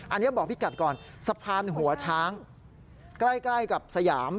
อันนี้บอกพี่กัดก่อนสะพานหัวช้างใกล้กับสยาม